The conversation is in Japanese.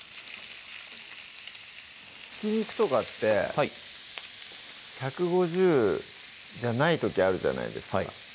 ひき肉とかって１５０じゃない時あるじゃないですか